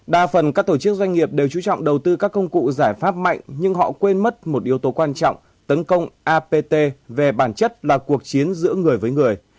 đa phần các tổ chức doanh nghiệp đều chú trọng đầu tư các công cụ giải pháp mạnh nhưng họ quên mất một yếu tố quan trọng tấn công apt về bản chất là cuộc chiến giữa người với người